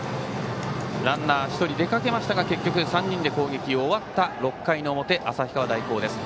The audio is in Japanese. ランナー、１人出かけましたが結局３人で攻撃が終わった６回の表、旭川大高です。